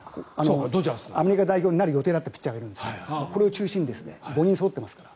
アメリカ代表になる予定だったピッチャーがいるんですけどこれを中心に５人そろってますから。